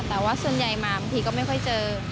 แต่ว่าส่วนใหญ่มาบางทีก็ไม่ค่อยเจอ